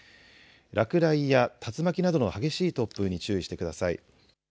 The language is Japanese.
落雷や竜巻などの激しい突風に注意してください。